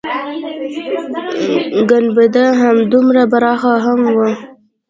گنبده همدومره پراخه هم وه.